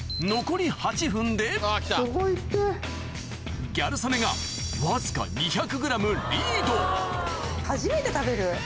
すごいって・ギャル曽根がわずか２００ｇリード初めて食べる。